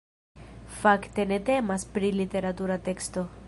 Fakte ne temas pri literatura teksto.